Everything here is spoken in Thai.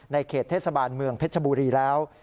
เขตเทศบาลเมืองเพชรบุรีแล้ว